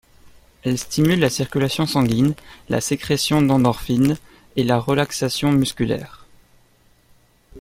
Elle stimule la circulation sanguine, la sécrétion d'endorphines et la relaxation musculaire.